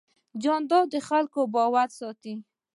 جانداد د خلکو باور ساتي.